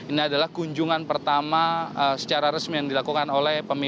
ini adalah kunjungan pertama secara resmi yang dilakukan oleh pemimpin